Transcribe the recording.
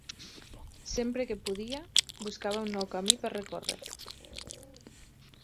Sempre que podia, buscava un nou camí per recórrer.